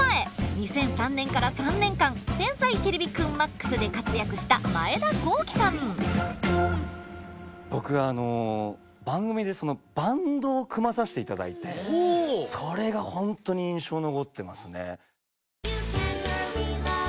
２００３年から３年間「天才てれびくんＭＡＸ」で活躍した僕は番組でバンドを組まさして頂いてそれがほんとに印象残ってますね。